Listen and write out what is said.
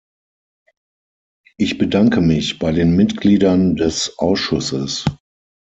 Ich bedanke mich bei den Mitgliedern des Ausschusses.